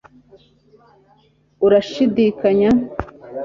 uranshidikanya